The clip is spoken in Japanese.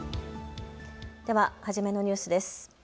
では初めのニュースです。